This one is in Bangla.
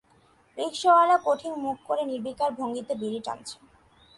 রিকশাওয়ালা কঠিন মুখ করে নির্বিকার ভঙ্গিতে বিড়ি টানছে।